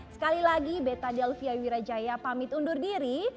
sekali lagi beta delvia wirajaya pamit undur diri